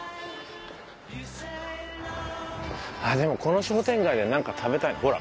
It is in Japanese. あっでもこの商店街でなんか食べたいな。